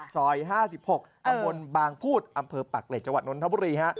ซอย๕๖ตำบลบางพูดอำเภอปากเหล็กจังหวัดนทบุรีฮะ